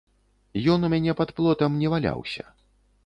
Ён у мяне пад плотам не валяўся.